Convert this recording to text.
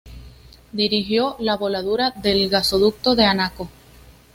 Dirigió la voladura del Gasoducto de Anaco.